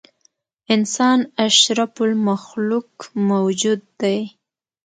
انسان اشرف المخلوق موجود دی.